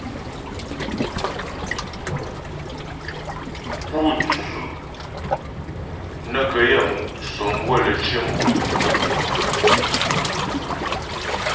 Pú dzu' nə́ gə yaə́mu' sɔmywə lə́ cyə mò.